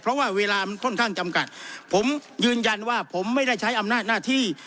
เพราะว่าเวลามันค่อนข้างจำกัดผมยืนยันว่าผมไม่ได้ใช้อำนาจหน้าที่